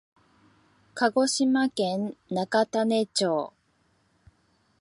鹿児島県中種子町